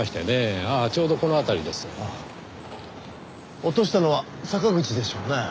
落としたのは坂口でしょうね。